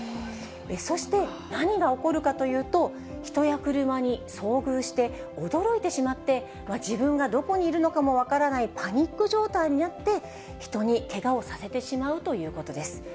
そして何が起こるかというと、人や車に遭遇して、驚いてしまって、自分がどこにいるのかも分からない、パニック状態になって、人にけがをさせてしまうということです。